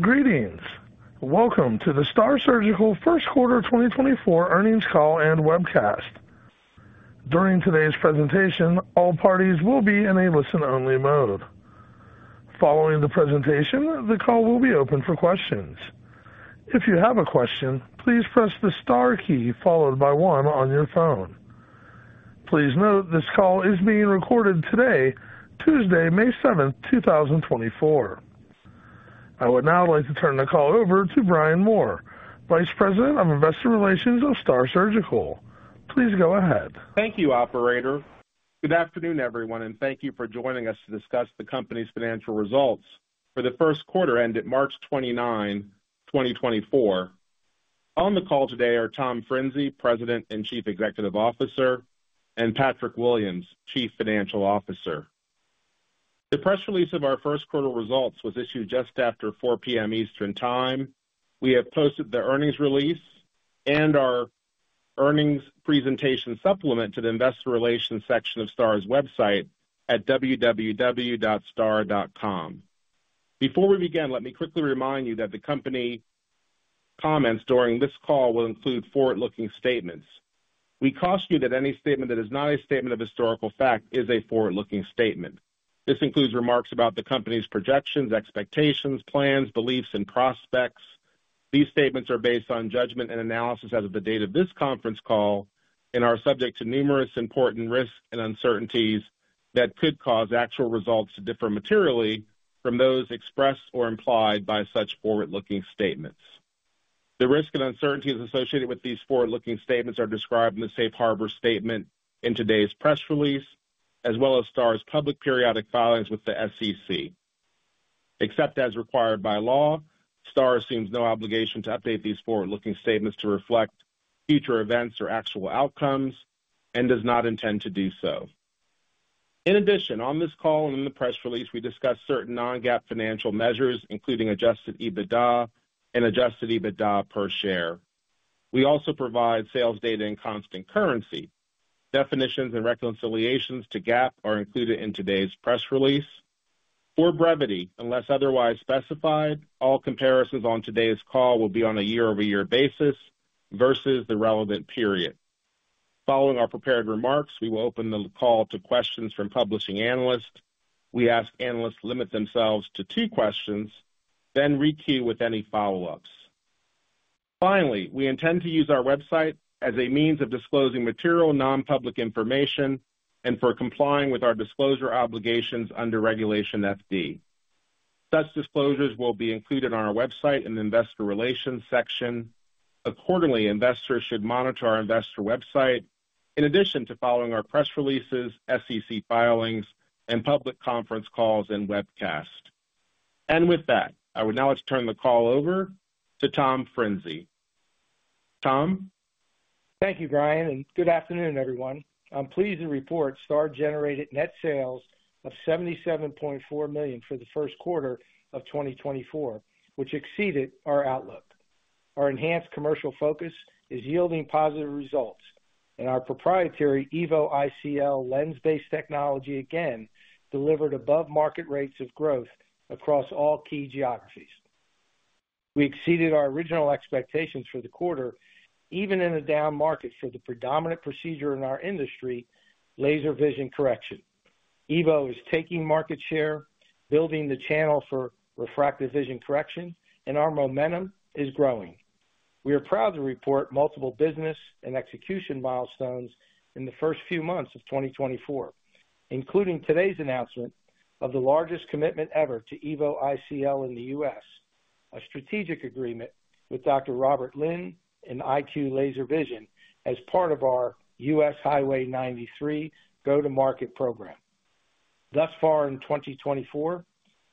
Greetings. Welcome to the STAAR Surgical Q1 2024 earnings call and webcast. During today's presentation, all parties will be in a listen-only mode. Following the presentation, the call will be open for questions. If you have a question, please press the STAAR key followed by 1 on your phone. Please note this call is being recorded today, Tuesday, May 7, 2024. I would now like to turn the call over to Brian Moore, Vice President of Investor Relations of STAAR Surgical. Please go ahead. Thank you, operator. Good afternoon, everyone, and thank you for joining us to discuss the company's financial results for the Q1 ended March 29, 2024. On the call today are Tom Frinzi, President and Chief Executive Officer, and Patrick Williams, Chief Financial Officer. The press release of our Q1 results was issued just after 4:00 P.M. Eastern Time. We have posted the earnings release and our earnings presentation supplement to the Investor Relations section of STAAR's website at www.staarsurgical.com. Before we begin, let me quickly remind you that the company comments during this call will include forward-looking statements. We caution you that any statement that is not a statement of historical fact is a forward-looking statement. This includes remarks about the company's projections, expectations, plans, beliefs, and prospects. These statements are based on judgment and analysis as of the date of this conference call and are subject to numerous important risks and uncertainties that could cause actual results to differ materially from those expressed or implied by such forward-looking statements. The risks and uncertainties associated with these forward-looking statements are described in the Safe Harbor statement in today's press release, as well as STAAR's public periodic filings with the SEC. Except as required by law, STAAR assumes no obligation to update these forward-looking statements to reflect future events or actual outcomes and does not intend to do so. In addition, on this call and in the press release, we discuss certain Non-GAAP financial measures, including Adjusted EBITDA and Adjusted EBITDA per share. We also provide sales data in constant currency. Definitions and reconciliations to GAAP are included in today's press release. For brevity, unless otherwise specified, all comparisons on today's call will be on a year-over-year basis versus the relevant period. Following our prepared remarks, we will open the call to questions from publishing analysts. We ask analysts limit themselves to two questions, then requeue with any follow-ups. Finally, we intend to use our website as a means of disclosing material, non-public information, and for complying with our disclosure obligations under Regulation FD. Such disclosures will be included on our website in the Investor Relations section. Accordingly, investors should monitor our investor website in addition to following our press releases, SEC filings, and public conference calls and webcasts. And with that, I would now like to turn the call over to Tom Frinzi. Tom? Thank you, Brian, and good afternoon, everyone. I'm pleased to report STAAR generated net sales of $77.4 million for the Q1 of 2024, which exceeded our outlook. Our enhanced commercial focus is yielding positive results, and our proprietary EVO ICL lens-based technology again delivered above-market rates of growth across all key geographies. We exceeded our original expectations for the quarter, even in a down market for the predominant procedure in our industry, laser vision correction. EVO ICL is taking market share, building the channel for refractive vision correction, and our momentum is growing. We are proud to report multiple business and execution milestones in the first few months of 2024, including today's announcement of the largest commitment ever to EVO ICL in the U.S., a strategic agreement with Dr. Robert Lin and IQ Laser Vision as part of our U.S. Highway 93 go-to-market program. Thus far in 2024,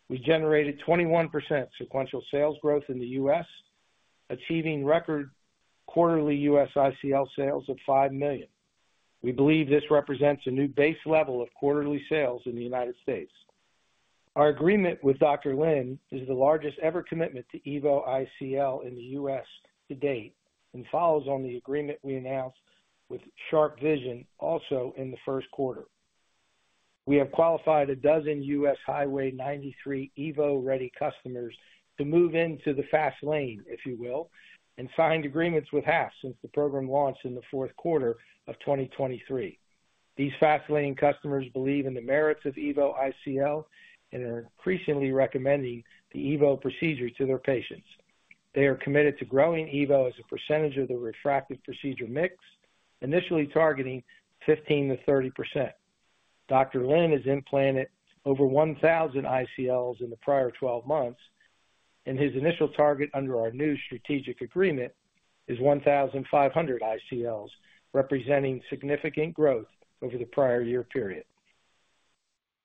we generated 21% sequential sales growth in the U.S., achieving record quarterly U.S. ICL sales of $5 million. We believe this represents a new base level of quarterly sales in the United States. Our agreement with Dr. Lin is the largest ever commitment to EVO ICL in the U.S. to date and follows on the agreement we announced with SharpeVision also in the Q1. We have qualified 12 U.S. Highway 93 EVO-ready customers to move into the fast lane, if you will, and signed agreements with HAF since the program launched in the Q4 of 2023. These fast lane customers believe in the merits of EVO ICL and are increasingly recommending the EVO procedure to their patients. They are committed to growing EVO as a percentage of the refractive procedure mix, initially targeting 15%-30%. Dr. Lin has implanted over 1,000 ICLs in the prior 12 months, and his initial target under our new strategic agreement is 1,500 ICLs, representing significant growth over the prior year period.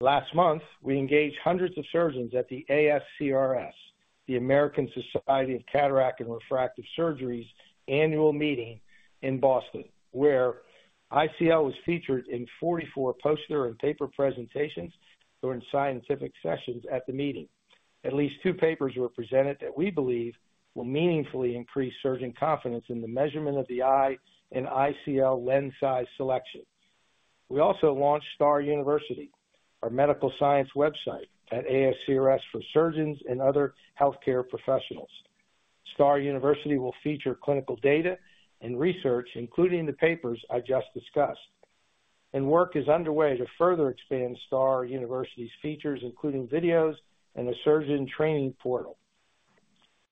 Last month, we engaged hundreds of surgeons at the ASCRS, the American Society of Cataract and Refractive Surgery's annual meeting in Boston, where ICL was featured in 44 poster and paper presentations during scientific sessions at the meeting. At least two papers were presented that we believe will meaningfully increase surgeon confidence in the measurement of the eye and ICL lens size selection. We also launched STAAR University, our medical science website at ASCRS for surgeons and other healthcare professionals. STAAR University will feature clinical data and research, including the papers I just discussed. Work is underway to further expand STAAR University's features, including videos and a surgeon training portal.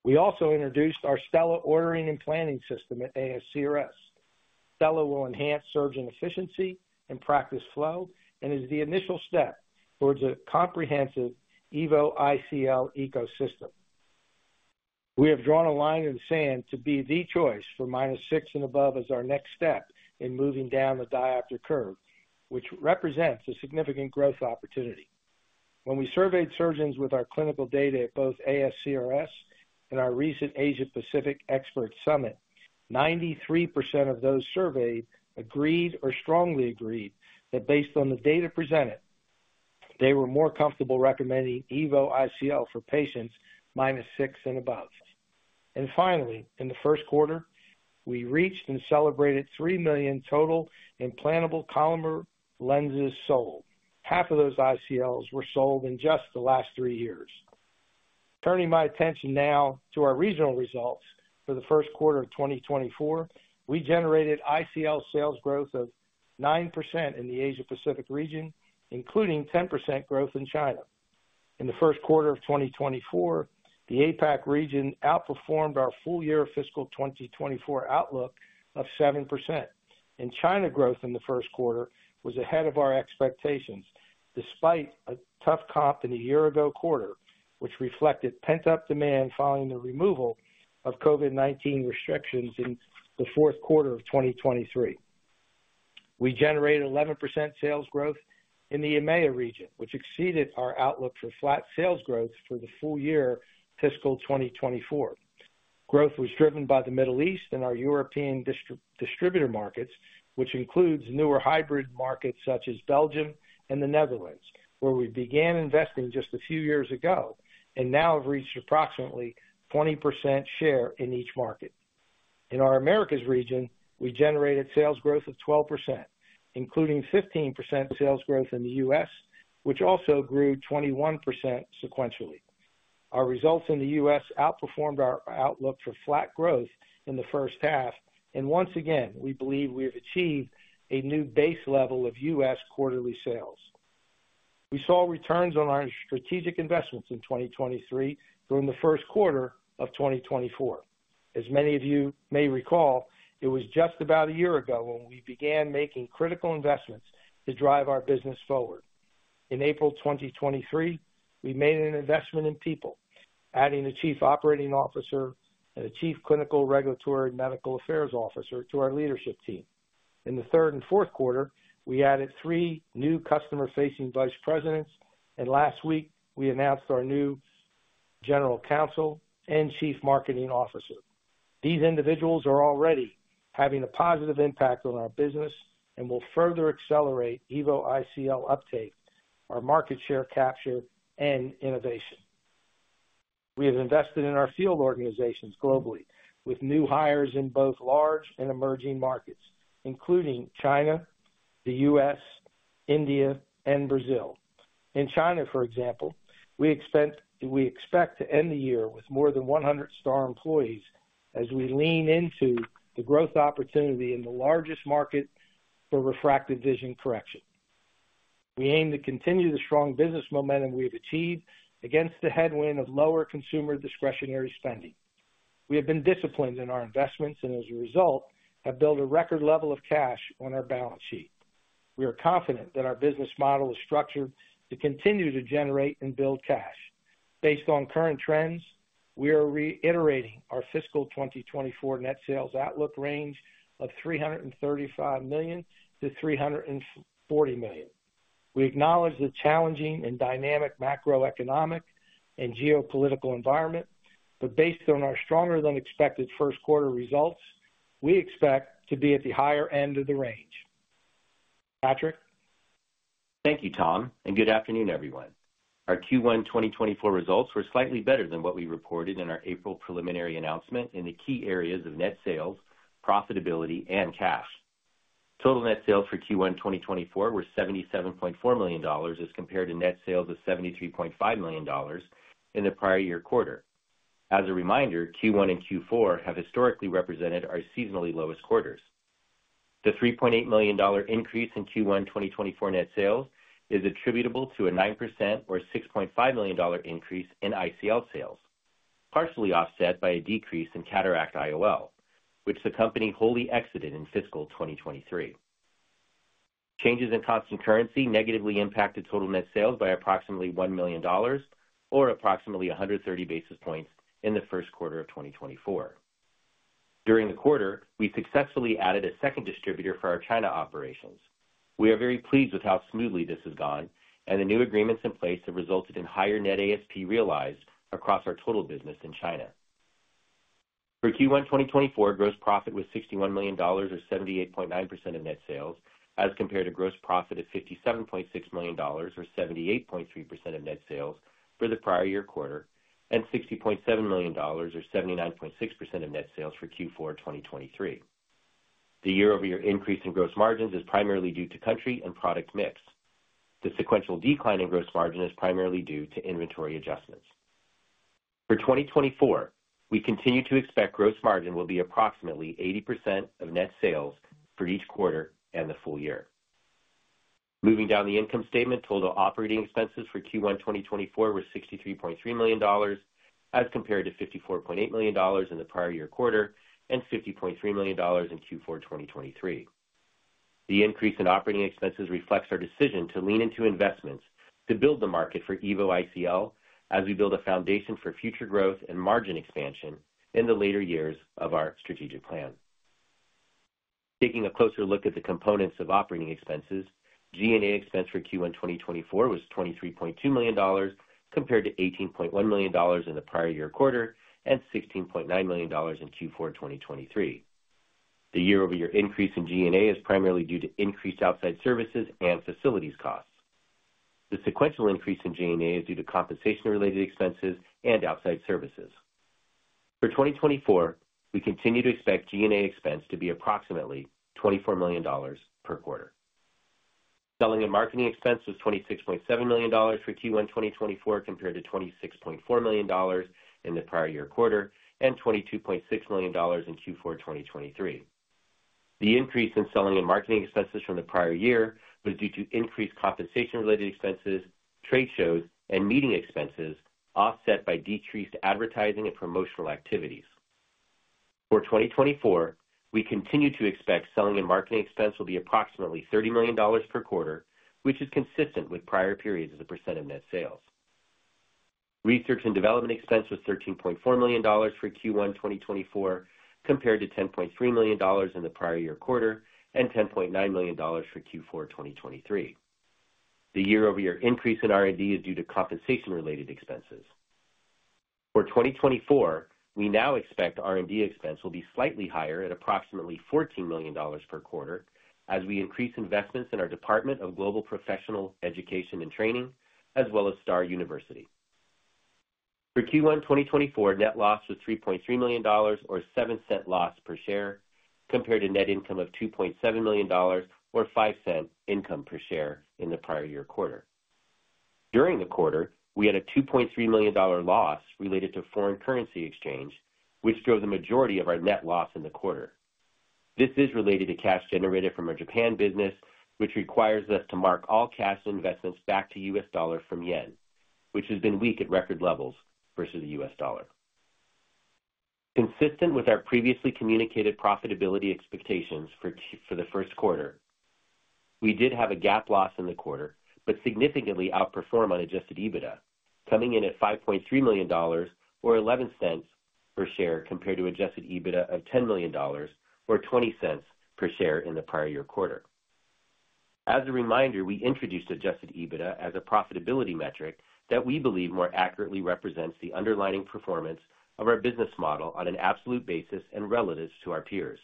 We also introduced our STELLA ordering and planning system at ASCRS. STELLA will enhance surgeon efficiency and practice flow and is the initial step towards a comprehensive EVO ICL ecosystem. We have drawn a line in the sand to be the choice for -6 and above as our next step in moving down the diopter curve, which represents a significant growth opportunity. When we surveyed surgeons with our clinical data at both ASCRS and our recent Asia-Pacific Expert Summit, 93% of those surveyed agreed or strongly agreed that based on the data presented, they were more comfortable recommending EVO ICL for patients -6 and above. And finally, in the Q1, we reached and celebrated 3 million total Implantable Collamer Lenses sold. Half of those ICLs were sold in just the last three years. Turning my attention now to our regional results for the Q1 of 2024, we generated ICL sales growth of 9% in the Asia-Pacific region, including 10% growth in China. In the Q1 of 2024, the APAC region outperformed our full-year fiscal 2024 outlook of 7%, and China growth in the Q1 was ahead of our expectations despite a tough comp in a year-ago quarter, which reflected pent-up demand following the removal of COVID-19 restrictions in the Q4 of 2023. We generated 11% sales growth in the EMEA region, which exceeded our outlook for flat sales growth for the full-year fiscal 2024. Growth was driven by the Middle East and our European distributor markets, which includes newer hybrid markets such as Belgium and the Netherlands, where we began investing just a few years ago and now have reached approximately 20% share in each market. In our Americas region, we generated sales growth of 12%, including 15% sales growth in the U.S., which also grew 21% sequentially. Our results in the U.S. outperformed our outlook for flat growth in the H1, and once again, we believe we have achieved a new base level of U.S. quarterly sales. We saw returns on our strategic investments in 2023 during the Q1 of 2024. As many of you may recall, it was just about a year ago when we began making critical investments to drive our business forward. In April 2023, we made an investment in people, adding a Chief Operating Officer and a Chief Clinical Regulatory and Medical Affairs Officer to our leadership team. In the third and Q4, we added three new customer-facing vice presidents, and last week, we announced our new General Counsel and Chief Marketing Officer. These individuals are already having a positive impact on our business and will further accelerate EVO ICL uptake, our market share capture, and innovation. We have invested in our field organizations globally with new hires in both large and emerging markets, including China, the U.S., India, and Brazil. In China, for example, we expect to end the year with more than 100 STAAR employees as we lean into the growth opportunity in the largest market for refractive vision correction. We aim to continue the strong business momentum we have achieved against the headwind of lower consumer discretionary spending. We have been disciplined in our investments and, as a result, have built a record level of cash on our balance sheet. We are confident that our business model is structured to continue to generate and build cash. Based on current trends, we are reiterating our fiscal 2024 net sales outlook range of $335 million-$340 million. We acknowledge the challenging and dynamic macroeconomic and geopolitical environment, but based on our stronger-than-expected Q1 results, we expect to be at the higher end of the range. Patrick? Thank you, Tom, and good afternoon, everyone. Our Q1 2024 results were slightly better than what we reported in our April preliminary announcement in the key areas of net sales, profitability, and cash. Total net sales for Q1 2024 were $77.4 million as compared to net sales of $73.5 million in the prior year quarter. As a reminder, Q1 and Q4 have historically represented our seasonally lowest quarters. The $3.8 million increase in Q1 2024 net sales is attributable to a 9% or $6.5 million increase in ICL sales, partially offset by a decrease in Cataract IOL, which the company wholly exited in fiscal 2023. Changes in constant currency negatively impacted total net sales by approximately $1 million or approximately 130 basis points in the Q1 of 2024. During the quarter, we successfully added a second distributor for our China operations. We are very pleased with how smoothly this has gone, and the new agreements in place have resulted in higher net ASP realized across our total business in China. For Q1 2024, gross profit was $61 million or 78.9% of net sales as compared to gross profit of $57.6 million or 78.3% of net sales for the prior year quarter and $60.7 million or 79.6% of net sales for Q4 2023. The year-over-year increase in gross margins is primarily due to country and product mix. The sequential decline in gross margin is primarily due to inventory adjustments. For 2024, we continue to expect gross margin will be approximately 80% of net sales for each quarter and the full year. Moving down the income statement, total operating expenses for Q1 2024 were $63.3 million as compared to $54.8 million in the prior year quarter and $50.3 million in Q4 2023. The increase in operating expenses reflects our decision to lean into investments to build the market for EVO ICL as we build a foundation for future growth and margin expansion in the later years of our strategic plan. Taking a closer look at the components of operating expenses, G&A expense for Q1 2024 was $23.2 million compared to $18.1 million in the prior year quarter and $16.9 million in Q4 2023. The year-over-year increase in G&A is primarily due to increased outside services and facilities costs. The sequential increase in G&A is due to compensation-related expenses and outside services. For 2024, we continue to expect G&A expense to be approximately $24 million per quarter. Selling and marketing expense was $26.7 million for Q1 2024 compared to $26.4 million in the prior year-quarter and $22.6 million in Q4 2023. The increase in selling and marketing expenses from the prior year was due to increased compensation-related expenses, trade shows, and meeting expenses offset by decreased advertising and promotional activities. For 2024, we continue to expect selling and marketing expense will be approximately $30 million per quarter, which is consistent with prior periods as a % of net sales. Research and development expense was $13.4 million for Q1 2024 compared to $10.3 million in the prior year quarter and $10.9 million for Q4 2023. The year-over-year increase in R&D is due to compensation-related expenses. For 2024, we now expect R&D expense will be slightly higher at approximately $14 million per quarter as we increase investments in our Department of Global Professional Education and Training as well as STAAR University. For Q1 2024, net loss was $3.3 million or $0.07 loss per share compared to net income of $2.7 million or $0.05 income per share in the prior year quarter. During the quarter, we had a $2.3 million loss related to foreign currency exchange, which drove the majority of our net loss in the quarter. This is related to cash generated from our Japan business, which requires us to mark all cash investments back to U.S. dollar from yen, which has been weak at record levels versus the U.S. dollar. Consistent with our previously communicated profitability expectations for the Q1, we did have a GAAP loss in the quarter but significantly outperform on Adjusted EBITDA, coming in at $5.3 million or $0.11 per share compared to Adjusted EBITDA of $10 million or $0.20 per share in the prior year quarter. As a reminder, we introduced Adjusted EBITDA as a profitability metric that we believe more accurately represents the underlying performance of our business model on an absolute basis and relative to our peers.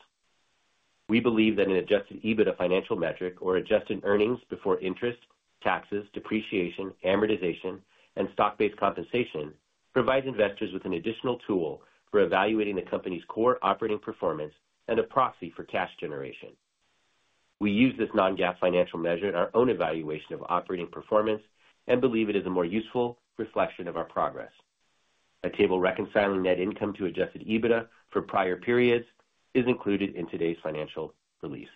We believe that an Adjusted EBITDA financial metric, or adjusted earnings before interest, taxes, depreciation, amortization, and stock-based compensation, provides investors with an additional tool for evaluating the company's core operating performance and a proxy for cash generation. We use this non-GAAP financial measure in our own evaluation of operating performance and believe it is a more useful reflection of our progress. A table reconciling net income to Adjusted EBITDA for prior periods is included in today's financial release.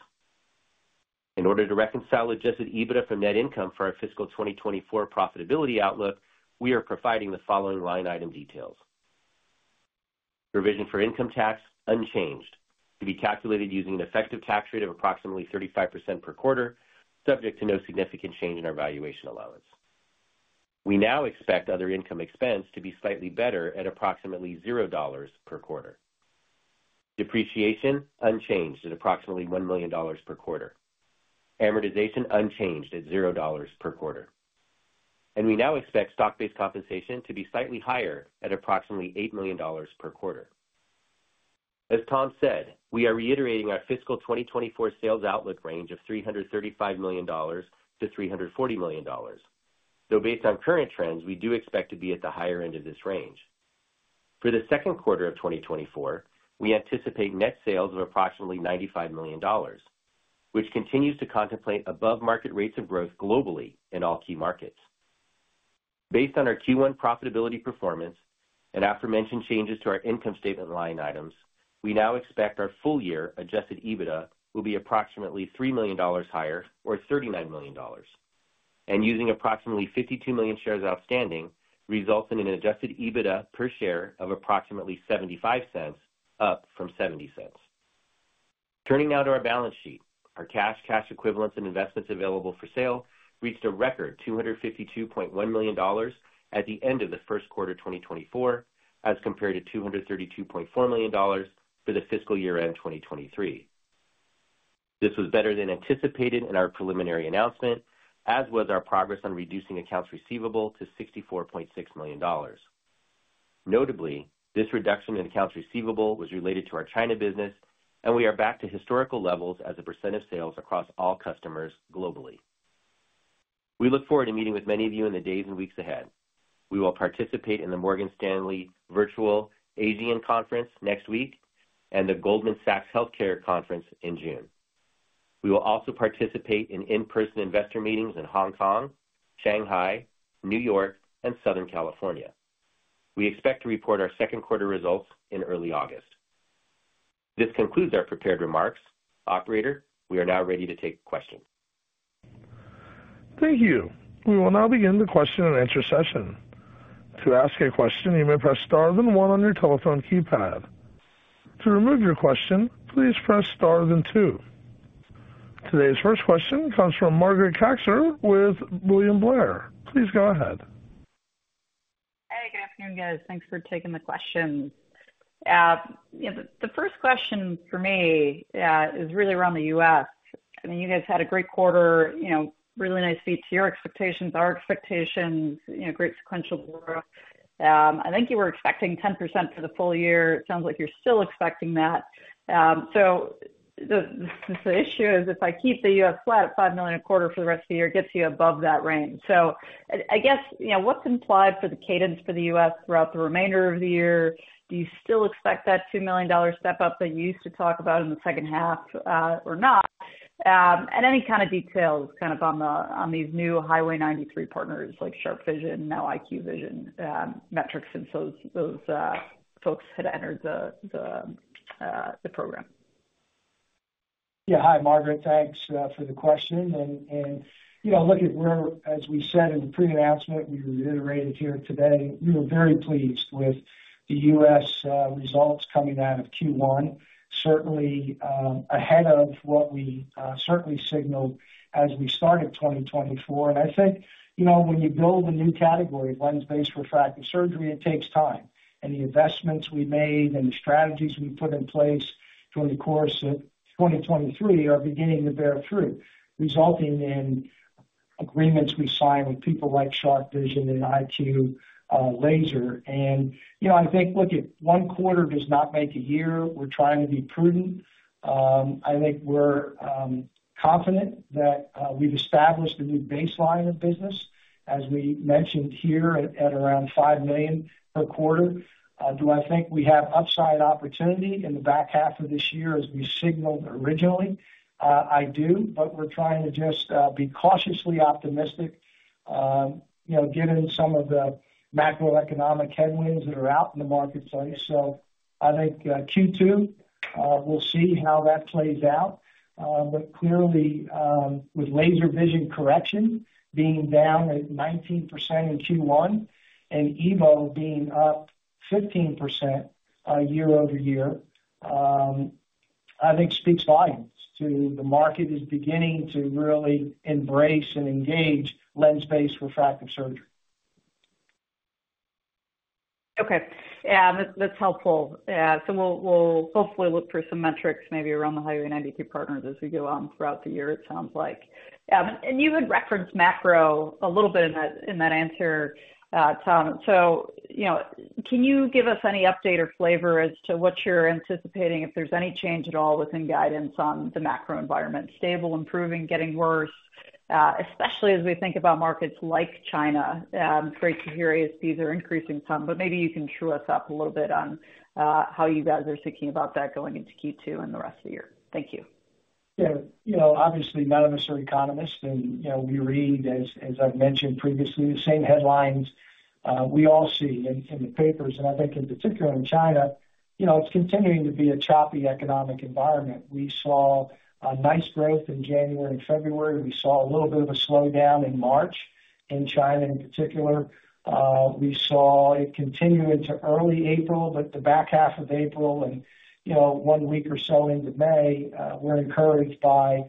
In order to reconcile Adjusted EBITDA from net income for our fiscal 2024 profitability outlook, we are providing the following line item details: Provision for income tax, unchanged, to be calculated using an effective tax rate of approximately 35% per quarter, subject to no significant change in our valuation allowance. We now expect other income expense to be slightly better at approximately $0 per quarter. Depreciation, unchanged at approximately $1 million per quarter. Amortization, unchanged at $0 per quarter. We now expect stock-based compensation to be slightly higher at approximately $8 million per quarter. As Tom said, we are reiterating our fiscal 2024 sales outlook range of $335 million-$340 million, though based on current trends, we do expect to be at the higher end of this range. For the Q2 of 2024, we anticipate net sales of approximately $95 million, which continues to contemplate above-market rates of growth globally in all key markets. Based on our Q1 profitability performance and aforementioned changes to our income statement line items, we now expect our full-year adjusted EBITDA will be approximately $3 million higher or $39 million, and using approximately 52 million shares outstanding results in an adjusted EBITDA per share of approximately $0.75 up from $0.70. Turning now to our balance sheet, our cash, cash equivalents, and investments available for sale reached a record $252.1 million at the end of the Q1 2024 as compared to $232.4 million for the fiscal year-end 2023. This was better than anticipated in our preliminary announcement, as was our progress on reducing accounts receivable to $64.6 million. Notably, this reduction in accounts receivable was related to our China business, and we are back to historical levels as a percent of sales across all customers globally. We look forward to meeting with many of you in the days and weeks ahead. We will participate in the Morgan Stanley Virtual ASEAN Conference next week and the Goldman Sachs Healthcare Conference in June. We will also participate in in-person investor meetings in Hong Kong, Shanghai, New York, and Southern California. We expect to report our Q2 results in early August. This concludes our prepared remarks. Operator, we are now ready to take questions. Thank you. We will now begin the question and answer session. To ask a question, you may press star then one on your telephone keypad. To remove your question, please press star then two. Today's first question comes from Margaret Kaczor with William Blair. Please go ahead. Hey, good afternoon, guys. Thanks for taking the questions. The first question for me is really around the U.S. I mean, you guys had a great quarter, really nice beat to your expectations, our expectations, great sequential growth. I think you were expecting 10% for the full year. It sounds like you're still expecting that. So the issue is if I keep the U.S. flat at $5 million a quarter for the rest of the year, it gets you above that range. So I guess what's implied for the cadence for the U.S. throughout the remainder of the year? Do you still expect that $2 million step up that you used to talk about in the H2 or not? And any kind of details kind of on these new Highway 93 partners like SharpeVision, now IQ Laser Vision, metrics since those folks had entered the program. Yeah, hi, Margaret. Thanks for the question. And look, as we said in the pre-announcement, we reiterated here today, we were very pleased with the U.S. results coming out of Q1, certainly ahead of what we certainly signaled as we started 2024. And I think when you build a new category of lens-based refractive surgery, it takes time. And the investments we made and the strategies we put in place during the course of 2023 are beginning to bear fruit, resulting in agreements we signed with people like SharpeVision and IQ Laser. And I think, look, one quarter does not make a year. We're trying to be prudent. I think we're confident that we've established a new baseline of business, as we mentioned here at around $5 million per quarter. Do I think we have upside opportunity in the back half of this year as we signaled originally? I do, but we're trying to just be cautiously optimistic given some of the macroeconomic headwinds that are out in the marketplace. So I think Q2, we'll see how that plays out. But clearly, with Laser Vision Correction being down at 19% in Q1 and EVO being up 15% year-over-year, I think speaks volumes to the market is beginning to really embrace and engage lens-based refractive surgery. Okay. That's helpful. So we'll hopefully look for some metrics maybe around the Highway 93 partners as we go on throughout the year, it sounds like. And you had referenced macro a little bit in that answer, Tom. So can you give us any update or flavor as to what you're anticipating if there's any change at all within guidance on the macro environment? Stable, improving, getting worse, especially as we think about markets like China? It's great to hear if these are increasing, Tom, but maybe you can true us up a little bit on how you guys are thinking about that going into Q2 and the rest of the year. Thank you. Yeah. Obviously, none of us are economists. We read, as I've mentioned previously, the same headlines we all see in the papers. I think in particular in China, it's continuing to be a choppy economic environment. We saw nice growth in January and February. We saw a little bit of a slowdown in March in China in particular. We saw it continue into early April, but the back half of April and one week or so into May, we're encouraged by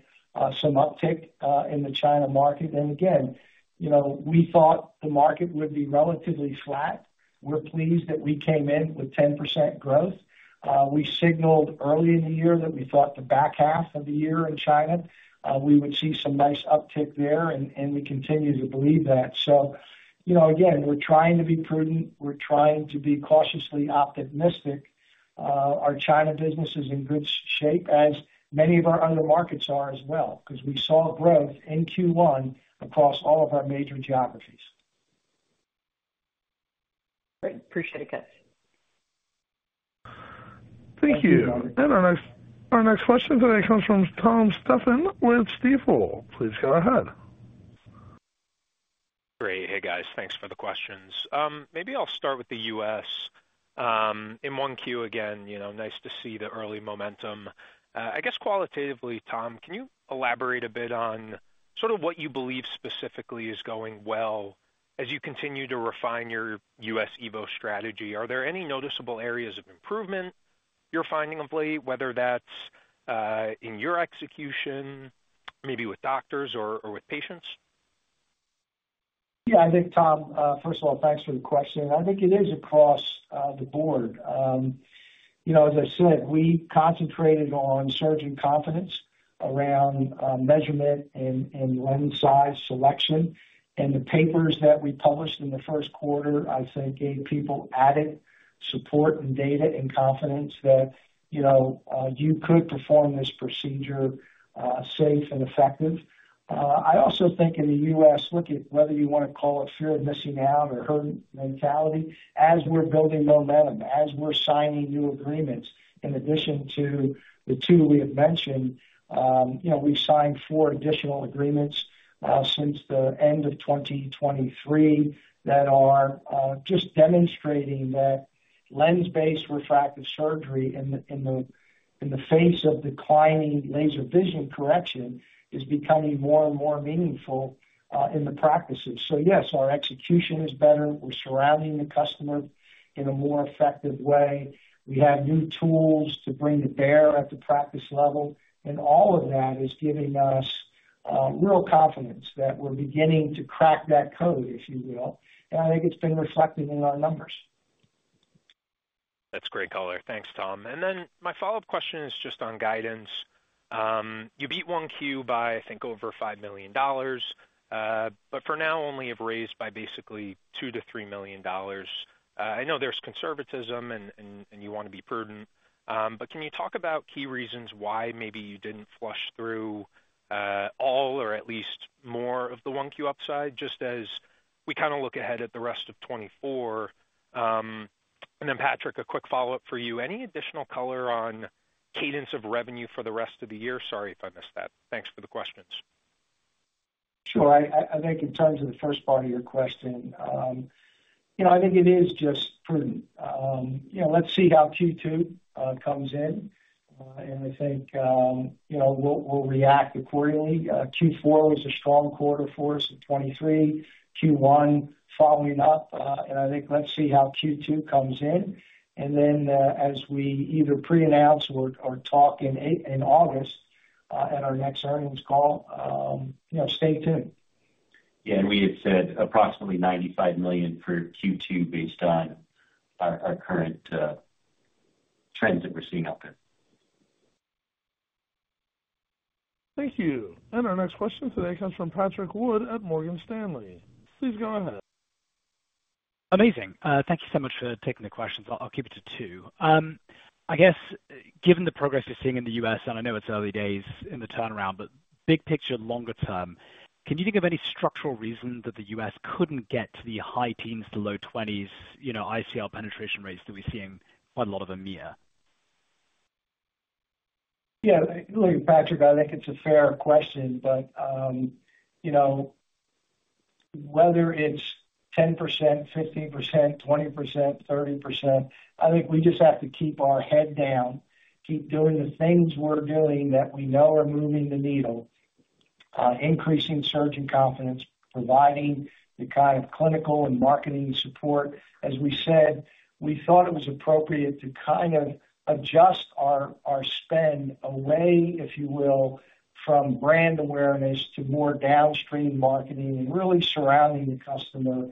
some uptick in the China market. Again, we thought the market would be relatively flat. We're pleased that we came in with 10% growth. We signaled early in the year that we thought the back half of the year in China, we would see some nice uptick there, and we continue to believe that. Again, we're trying to be prudent. We're trying to be cautiously optimistic. Our China business is in good shape as many of our other markets are as well because we saw growth in Q1 across all of our major geographies. Great. Appreciate a catch. Thank you. And our next question today comes from Tom Stephan with Stifel. Please go ahead. Great. Hey, guys. Thanks for the questions. Maybe I'll start with the U.S. In Q1, again, nice to see the early momentum. I guess qualitatively, Tom, can you elaborate a bit on sort of what you believe specifically is going well as you continue to refine your U.S. EVO strategy? Are there any noticeable areas of improvement you're finding of late, whether that's in your execution, maybe with doctors or with patients? Yeah, I think, Tom, first of all, thanks for the question. I think it is across the board. As I said, we concentrated on surgeon confidence around measurement and lens size selection. And the papers that we published in the Q1, I think, gave people added support and data and confidence that you could perform this procedure safe and effective. I also think in the U.S., look at whether you want to call it fear of missing out or herd mentality, as we're building momentum, as we're signing new agreements, in addition to the 2 we have mentioned, we've signed 4 additional agreements since the end of 2023 that are just demonstrating that lens-based refractive surgery in the face of declining Laser Vision Correction is becoming more and more meaningful in the practices. So yes, our execution is better. We're surrounding the customer in a more effective way. We have new tools to bring to bear at the practice level. All of that is giving us real confidence that we're beginning to crack that code, if you will. I think it's been reflected in our numbers. That's great, Caller. Thanks, Tom. And then my follow-up question is just on guidance. You beat Q1 by, I think, over $5 million, but for now only have raised by basically $2-3 million. I know there's conservatism and you want to be prudent, but can you talk about key reasons why maybe you didn't flush through all or at least more of the Q1 upside just as we kind of look ahead at the rest of 2024? And then, Patrick, a quick follow-up for you. Any additional color on cadence of revenue for the rest of the year? Sorry if I missed that. Thanks for the questions. Sure. I think in terms of the first part of your question, I think it is just prudent. Let's see how Q2 comes in. And I think we'll react accordingly. Q4 was a strong quarter for us in 2023. Q1 following up. And I think let's see how Q2 comes in. And then as we either pre-announce or talk in August at our next earnings call, stay tuned. Yeah. We had said approximately $95 million for Q2 based on our current trends that we're seeing up there. Thank you. Our next question today comes from Patrick Wood at Morgan Stanley. Please go ahead. Amazing. Thank you so much for taking the questions. I'll keep it to two. I guess given the progress you're seeing in the U.S., and I know it's early days in the turnaround, but big picture, longer term, can you think of any structural reason that the U.S. couldn't get to the high teens to low 20s ICL penetration rates that we're seeing quite a lot of them near? Yeah. Look, Patrick, I think it's a fair question, but whether it's 10%, 15%, 20%, 30%, I think we just have to keep our head down, keep doing the things we're doing that we know are moving the needle, increasing surgeon confidence, providing the kind of clinical and marketing support. As we said, we thought it was appropriate to kind of adjust our spend away, if you will, from brand awareness to more downstream marketing and really surrounding the customer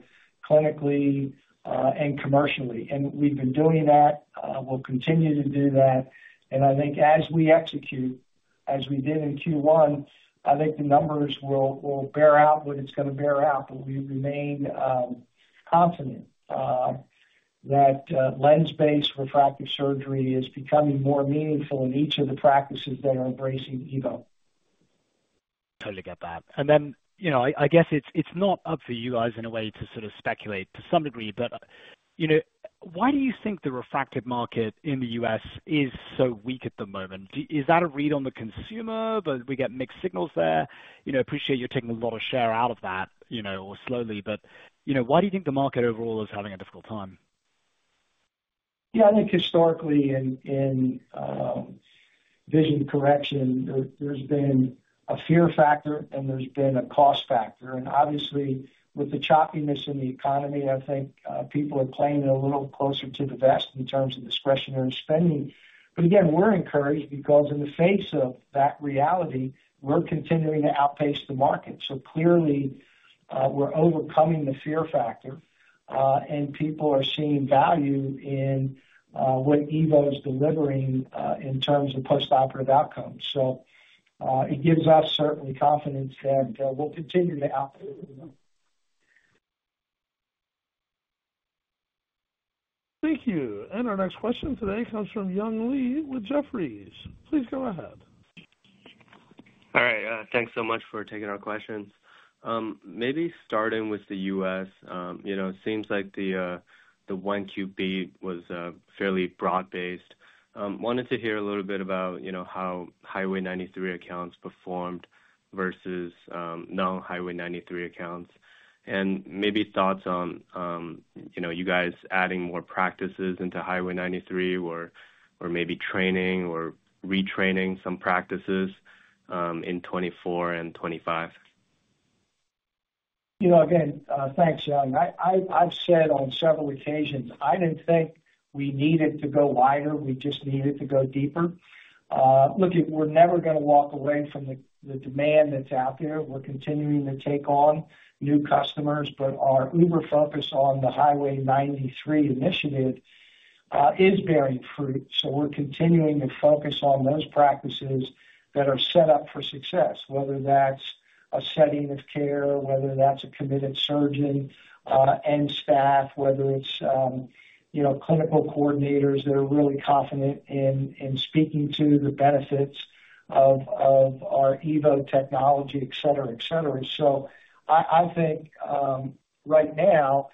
clinically and commercially. And we've been doing that. We'll continue to do that. And I think as we execute, as we did in Q1, I think the numbers will bear out what it's going to bear out, but we remain confident that lens-based refractive surgery is becoming more meaningful in each of the practices that are embracing EVO. Totally get that. And then I guess it's not up for you guys in a way to sort of speculate to some degree, but why do you think the refractive market in the U.S. is so weak at the moment? Is that a read on the consumer? But we get mixed signals there. Appreciate you're taking a lot of share out of that or slowly, but why do you think the market overall is having a difficult time? Yeah. I think historically in vision correction, there's been a fear factor and there's been a cost factor. Obviously, with the choppiness in the economy, I think people are playing a little closer to the vest in terms of discretionary spending. Again, we're encouraged because in the face of that reality, we're continuing to outpace the market. Clearly, we're overcoming the fear factor, and people are seeing value in what EVO is delivering in terms of postoperative outcomes. It gives us certainly confidence that we'll continue to outpace the market. Thank you. And our next question today comes from Young Li with Jefferies. Please go ahead. All right. Thanks so much for taking our questions. Maybe starting with the U.S., it seems like the ICL beat was fairly broad-based. Wanted to hear a little bit about how Highway 93 accounts performed versus non-Highway 93 accounts. And maybe thoughts on you guys adding more practices into Highway 93 or maybe training or retraining some practices in 2024 and 2025. Again, thanks, Young. I've said on several occasions, I didn't think we needed to go wider. We just needed to go deeper. Look, we're never going to walk away from the demand that's out there. We're continuing to take on new customers, but our uber-focus on the Highway 93 initiative is bearing fruit. So we're continuing to focus on those practices that are set up for success, whether that's a setting of care, whether that's a committed surgeon and staff, whether it's clinical coordinators that are really confident in speaking to the benefits of our EVO technology, etc., etc. So I think right now,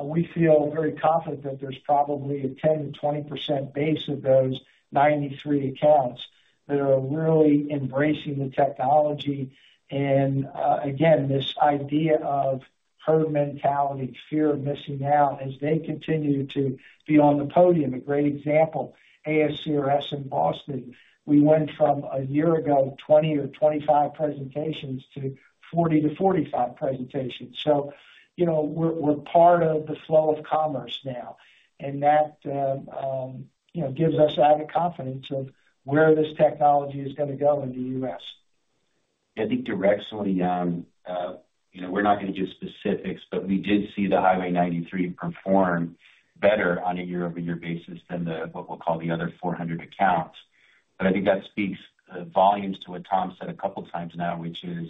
we feel very confident that there's probably a 10%-20% base of those 93 accounts that are really embracing the technology. Again, this idea of herd mentality, fear of missing out, as they continue to be on the podium, a great example, ASCRS in Boston, we went from a year ago 20 or 25 presentations to 40-45 presentations. So we're part of the flow of commerce now, and that gives us added confidence of where this technology is going to go in the U.S. Yeah. I think directionally, we're not going to give specifics, but we did see the Highway 93 perform better on a year-over-year basis than what we'll call the other 400 accounts. But I think that speaks volumes to what Tom said a couple of times now, which is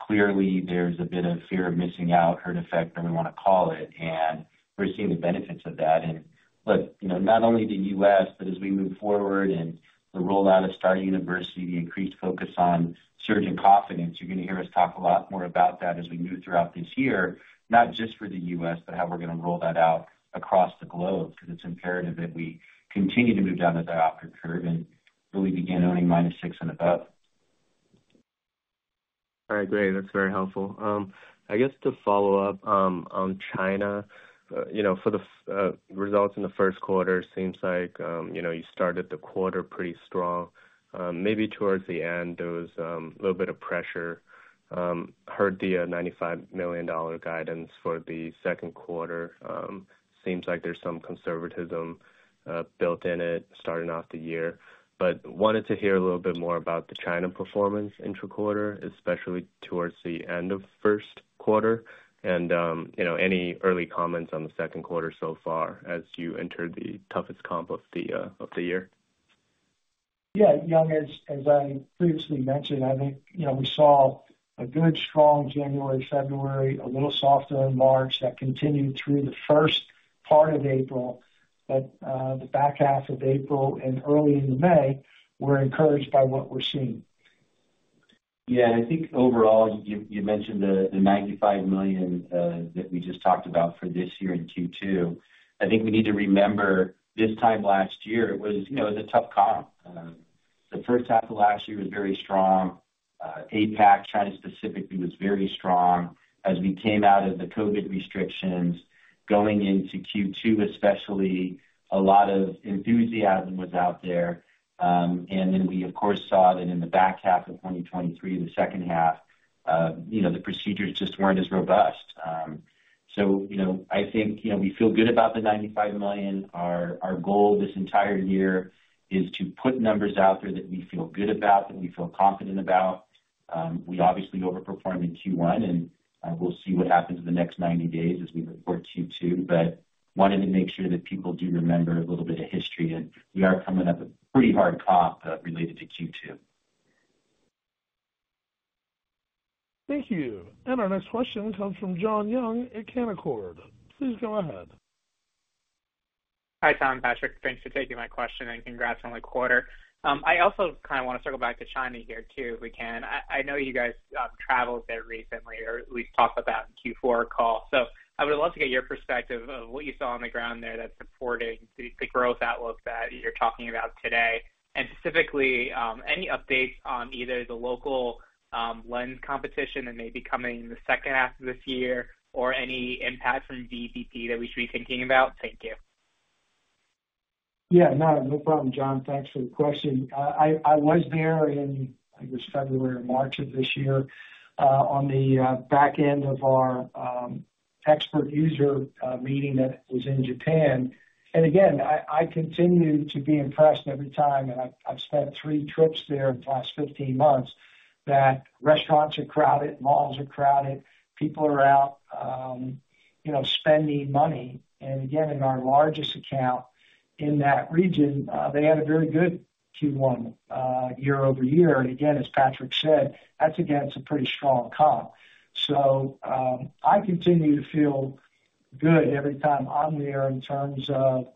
clearly there's a bit of fear of missing out, herd effect, whatever we want to call it. And we're seeing the benefits of that. And look, not only the U.S., but as we move forward and the rollout of STAAR University, the increased focus on surgeon confidence, you're going to hear us talk a lot more about that as we move throughout this year, not just for the U.S., but how we're going to roll that out across the globe because it's imperative that we continue to move down the diopter curve and really begin owning -6 and above. All right. Great. That's very helpful. I guess to follow up on China, for the results in the Q1, it seems like you started the quarter pretty strong. Maybe towards the end, there was a little bit of pressure. Heard the $95 million guidance for the Q2. Seems like there's some conservatism built in it starting off the year. But wanted to hear a little bit more about the China performance intra-quarter, especially towards the end of Q1, and any early comments on the Q2 so far as you entered the toughest comp of the year. Yeah. Young, as I previously mentioned, I think we saw a good, strong January, February, a little softer in March that continued through the first part of April. But the back half of April and early into May were encouraged by what we're seeing. Yeah. I think overall, you mentioned the $95 million that we just talked about for this year in Q2. I think we need to remember this time last year, it was a tough comp. The H1 of last year was very strong. APAC China specifically was very strong. As we came out of the COVID restrictions, going into Q2 especially, a lot of enthusiasm was out there. Then we, of course, saw that in the back half of 2023, the H2, the procedures just weren't as robust. I think we feel good about the $95 million. Our goal this entire year is to put numbers out there that we feel good about, that we feel confident about. We obviously overperformed in Q1, and we'll see what happens in the next 90 days as we report Q2, but wanted to make sure that people do remember a little bit of history. And we are coming up with a pretty hard comp related to Q2. Thank you. Our next question comes from Jon Young at Canaccord. Please go ahead. Hi, Tom and Patrick. Thanks for taking my question and congrats on the quarter. I also kind of want to circle back to China here too, if we can. I know you guys traveled there recently or at least talked about that in the Q4 call. So I would love to get your perspective of what you saw on the ground there that's supporting the growth outlook that you're talking about today. And specifically, any updates on either the local lens competition that may be coming in the H2 of this year or any impact from VBP that we should be thinking about? Thank you. Yeah. No, no problem, John. Thanks for the question. I was there in, I guess, February or March of this year on the back end of our expert user meeting that was in Japan. And again, I continue to be impressed every time, and I've spent three trips there in the last 15 months, that restaurants are crowded, malls are crowded, people are out spending money. And again, in our largest account in that region, they had a very good Q1 year-over-year. And again, as Patrick said, that's against a pretty strong comp. So I continue to feel good every time I'm there in terms of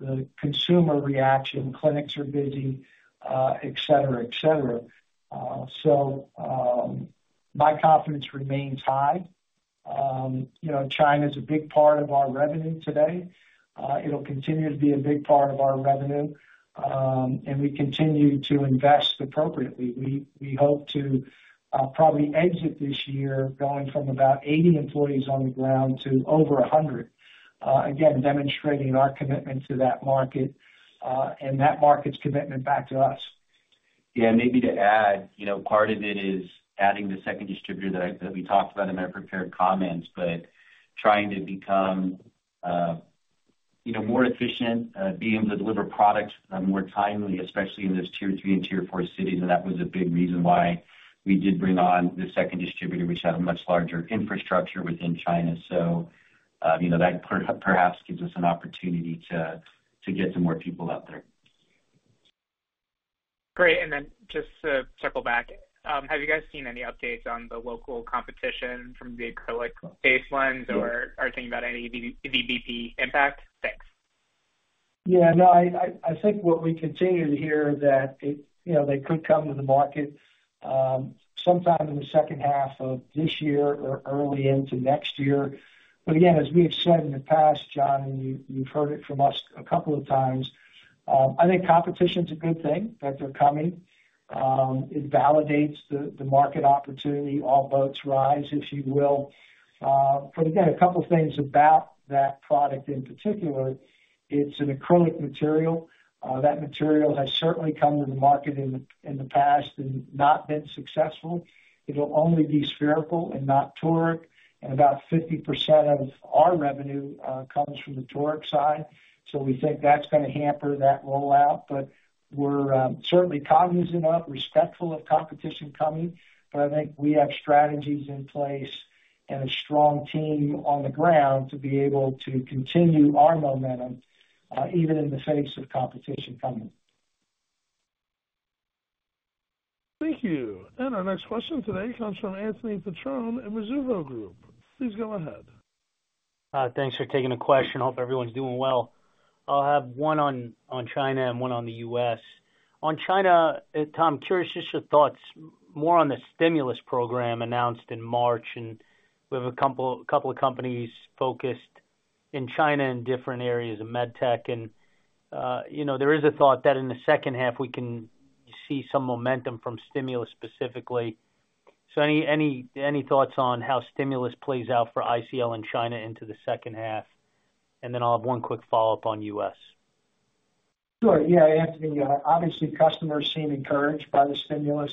the consumer reaction, clinics are busy, etc., etc. So my confidence remains high. China is a big part of our revenue today. It'll continue to be a big part of our revenue, and we continue to invest appropriately. We hope to probably exit this year going from about 80 employees on the ground to over 100, again, demonstrating our commitment to that market and that market's commitment back to us. Yeah. And maybe to add, part of it is adding the second distributor that we talked about in our prepared comments, but trying to become more efficient, being able to deliver products more timely, especially in those tier three and tier four cities. And that was a big reason why we did bring on the second distributor, which had a much larger infrastructure within China. So that perhaps gives us an opportunity to get some more people out there. Great. And then just to circle back, have you guys seen any updates on the local competition from the acrylic base lens or are you thinking about any VBP impact? Thanks. Yeah. No, I think what we continue to hear is that they could come to the market sometime in the H2 of this year or early into next year. But again, as we have said in the past, John, and you've heard it from us a couple of times, I think competition is a good thing that they're coming. It validates the market opportunity. All boats rise, if you will. But again, a couple of things about that product in particular, it's an acrylic material. That material has certainly come to the market in the past and not been successful. It'll only be spherical and not toric. And about 50% of our revenue comes from the toric side. So we think that's going to hamper that rollout. But we're certainly cognizant of, respectful of competition coming. But I think we have strategies in place and a strong team on the ground to be able to continue our momentum even in the face of competition coming. Thank you. Our next question today comes from Anthony Petrone at Mizuho Group. Please go ahead. Thanks for taking the question. Hope everyone's doing well. I'll have one on China and one on the U.S. On China, Tom, curious just your thoughts more on the stimulus program announced in March. And we have a couple of companies focused in China in different areas of medtech. And there is a thought that in the H2, we can see some momentum from stimulus specifically. So any thoughts on how stimulus plays out for ICL in China into the H2? And then I'll have one quick follow-up on U.S. Sure. Yeah. Anthony, obviously, customers seem encouraged by the stimulus.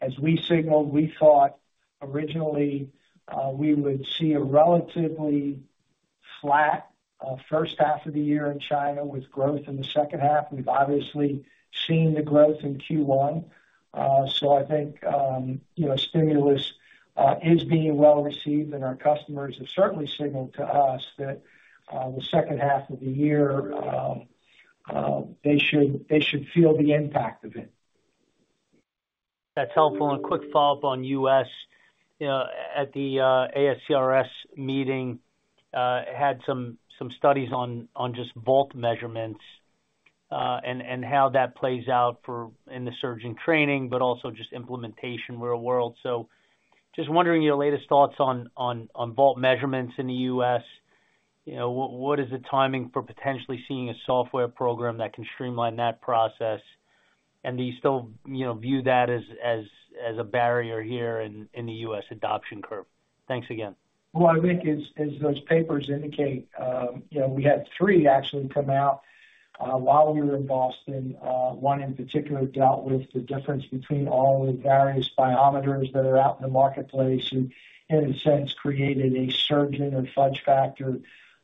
As we signaled, we thought originally we would see a relatively flat H1 of the year in China with growth in the H2. We've obviously seen the growth in Q1. So I think stimulus is being well received, and our customers have certainly signaled to us that the H2 of the year, they should feel the impact of it. That's helpful. And a quick follow-up on U.S. At the ASCRS meeting, had some studies on just vault measurements and how that plays out in the surgeon training, but also just implementation real world. So just wondering your latest thoughts on vault measurements in the U.S. What is the timing for potentially seeing a software program that can streamline that process? And do you still view that as a barrier here in the U.S. adoption curve? Thanks again. Well, I think as those papers indicate, we had three actually come out while we were in Boston. One in particular dealt with the difference between all the various biometers that are out in the marketplace and, in a sense, created a surgeon or fudge factor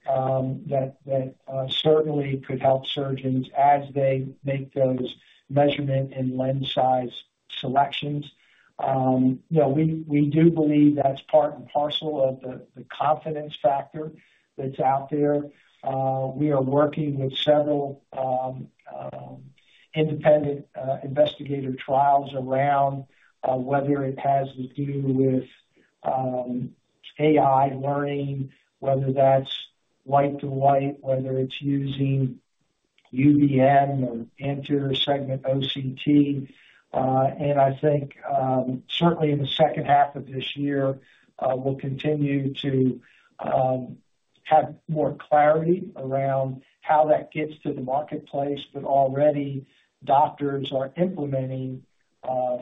that certainly could help surgeons as they make those measurement and lens size selections. We do believe that's part and parcel of the confidence factor that's out there. We are working with several independent investigator trials around whether it has to do with AI learning, whether that's white-to-white, whether it's using UBM or anterior segment OCT. And I think certainly in the H2 of this year, we'll continue to have more clarity around how that gets to the marketplace. But already, doctors are implementing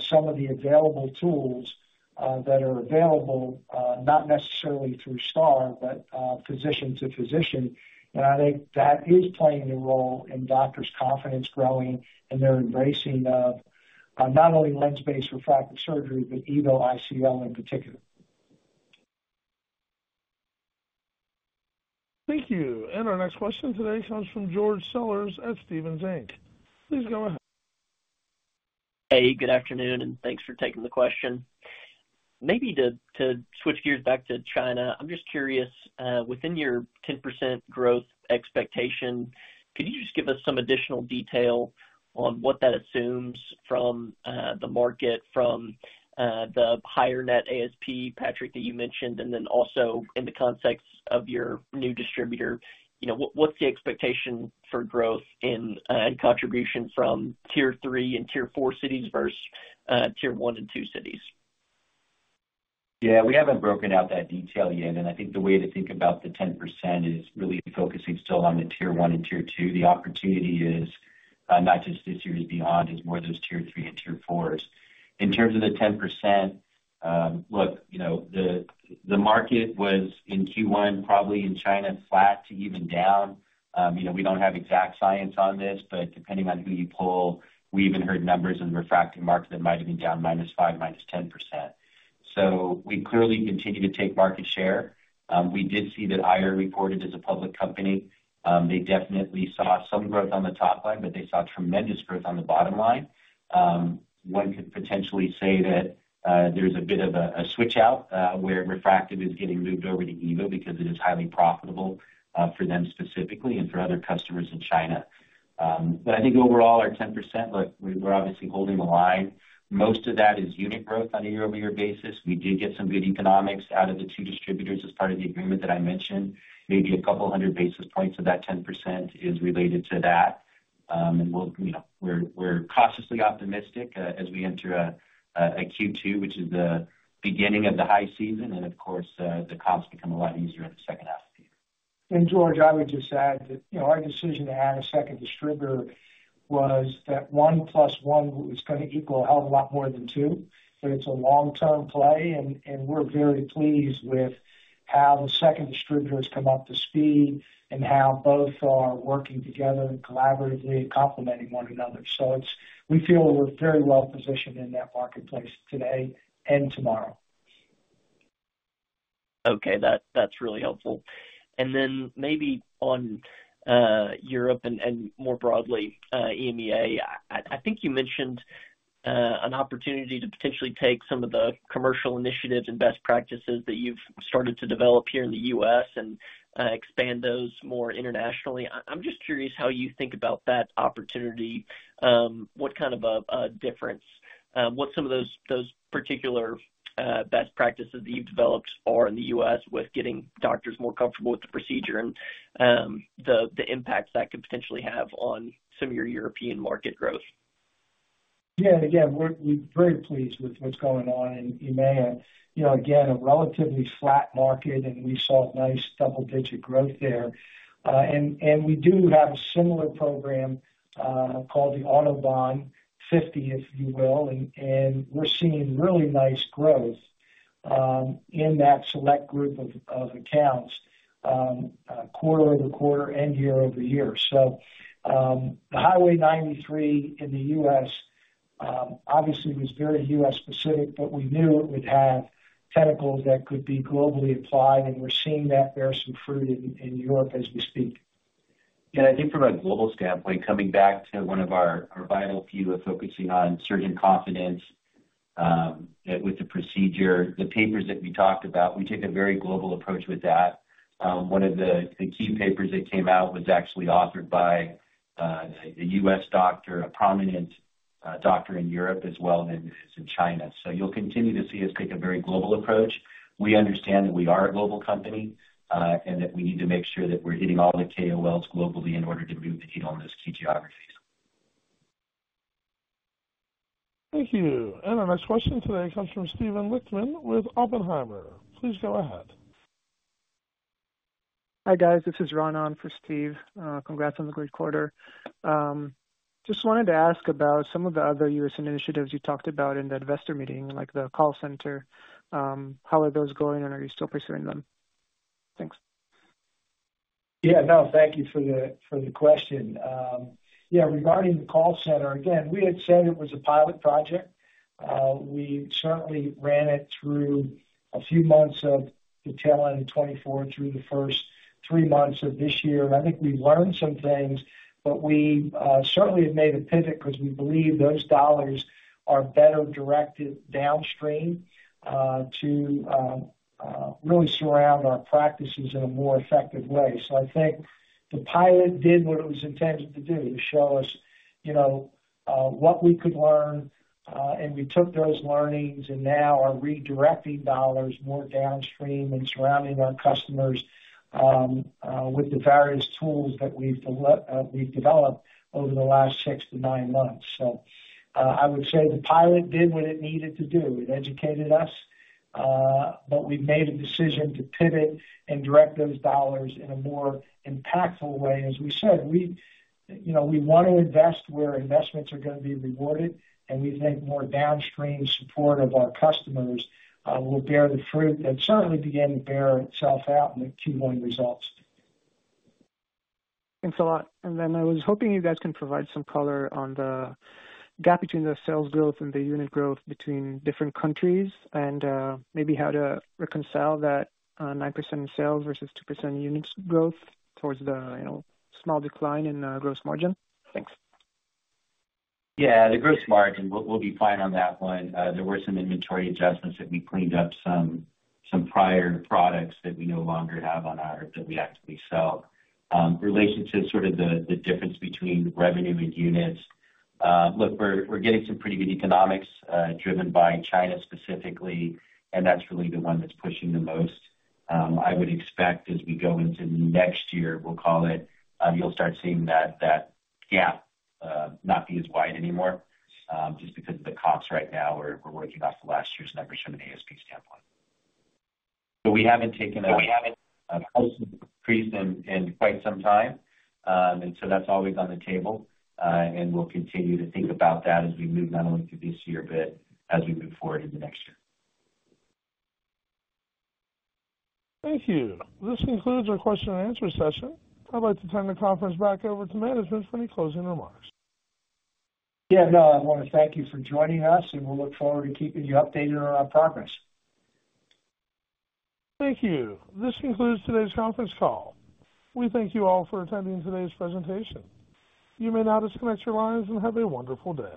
some of the available tools that are available, not necessarily through STAAR, but physician to physician. I think that is playing a role in doctors' confidence growing and their embracing of not only lens-based refractive surgery, but EVO ICL in particular. Thank you. Our next question today comes from George Sellers at Stephens Inc. Please go ahead. Hey. Good afternoon, and thanks for taking the question. Maybe to switch gears back to China, I'm just curious, within your 10% growth expectation, could you just give us some additional detail on what that assumes from the market, from the higher-net ASP, Patrick, that you mentioned, and then also in the context of your new distributor, what's the expectation for growth and contribution from tier three and tier four cities versus tier one and two cities? Yeah. We haven't broken out that detail yet. And I think the way to think about the 10% is really focusing still on the tier one and tier two. The opportunity is not just this year's beyond, it's more those tier three and tier fours. In terms of the 10%, look, the market was in Q1 probably in China flat to even down. We don't have exact science on this, but depending on who you pull, we even heard numbers in the refractive market that might have been down -5, -10%. So we clearly continue to take market share. We did see that Aier reported as a public company. They definitely saw some growth on the top line, but they saw tremendous growth on the bottom line. One could potentially say that there's a bit of a switch out where refractive is getting moved over to EVO because it is highly profitable for them specifically and for other customers in China. But I think overall, our 10%, look, we're obviously holding the line. Most of that is unit growth on a year-over-year basis. We did get some good economics out of the two distributors as part of the agreement that I mentioned. Maybe a couple hundred basis points of that 10% is related to that. And we're cautiously optimistic as we enter a Q2, which is the beginning of the high season. And of course, the comps become a lot easier in the H2 of the year. George, I would just add that our decision to add a second distributor was that one plus one was going to equal a lot more than two. But it's a long-term play, and we're very pleased with how the second distributor has come up to speed and how both are working together collaboratively and complementing one another. So we feel we're very well positioned in that marketplace today and tomorrow. Okay. That's really helpful. And then maybe on Europe and more broadly, EMEA, I think you mentioned an opportunity to potentially take some of the commercial initiatives and best practices that you've started to develop here in the U.S. and expand those more internationally. I'm just curious how you think about that opportunity, what kind of a difference, what some of those particular best practices that you've developed are in the U.S. with getting doctors more comfortable with the procedure and the impact that could potentially have on some of your European market growth. Yeah. Again, we're very pleased with what's going on in EMEA. Again, a relatively flat market, and we saw nice double-digit growth there. And we do have a similar program called the Autobahn 50, if you will. And we're seeing really nice growth in that select group of accounts quarter-over-quarter, and year-over-year. So the Highway 93 in the U.S. obviously was very U.S.-specific, but we knew it would have tentacles that could be globally applied. And we're seeing that bear some fruit in Europe as we speak. Yeah. I think from a global standpoint, coming back to one of our vital views of focusing on surgeon confidence with the procedure, the papers that we talked about, we take a very global approach with that. One of the key papers that came out was actually authored by a U.S. doctor, a prominent doctor in Europe as well as in China. You'll continue to see us take a very global approach. We understand that we are a global company and that we need to make sure that we're hitting all the KOLs globally in order to move the needle in those key geographies. Thank you. Our next question today comes from Steven Lichtman with Oppenheimer. Please go ahead. Hi, guys. This is Ron on for Steve. Congrats on the great quarter. Just wanted to ask about some of the other U.S. initiatives you talked about in the investor meeting, like the call center. How are those going, and are you still pursuing them? Thanks. Yeah. No, thank you for the question. Yeah. Regarding the call center, again, we had said it was a pilot project. We certainly ran it through a few months of detail in 2024, through the first 3 months of this year. And I think we learned some things, but we certainly have made a pivot because we believe those dollars are better directed downstream to really surround our practices in a more effective way. So I think the pilot did what it was intended to do, to show us what we could learn. And we took those learnings, and now are redirecting dollars more downstream and surrounding our customers with the various tools that we've developed over the last 6-9 months. So I would say the pilot did what it needed to do. It educated us, but we've made a decision to pivot and direct those dollars in a more impactful way. As we said, we want to invest where investments are going to be rewarded, and we think more downstream support of our customers will bear the fruit that certainly began to bear itself out in the Q1 results. Thanks a lot. And then I was hoping you guys can provide some color on the gap between the sales growth and the unit growth between different countries and maybe how to reconcile that 9% in sales versus 2% in units growth towards the small decline in gross margin? Thanks. Yeah. The gross margin, we'll be fine on that one. There were some inventory adjustments that we cleaned up some prior products that we no longer have on our that we actively sell. Relation to sort of the difference between revenue and units, look, we're getting some pretty good economics driven by China specifically, and that's really the one that's pushing the most. I would expect as we go into next year, we'll call it, you'll start seeing that gap not be as wide anymore just because of the comps right now. We're working off the last year's numbers from an ASP standpoint. But we haven't taken a price increase in quite some time. And so that's always on the table. And we'll continue to think about that as we move not only through this year, but as we move forward into next year. Thank you. This concludes our question and answer session. I'd like to turn the conference back over to management for any closing remarks. Yeah. No, I want to thank you for joining us, and we'll look forward to keeping you updated on our progress. Thank you. This concludes today's conference call. We thank you all for attending today's presentation. You may now disconnect your lines and have a wonderful day.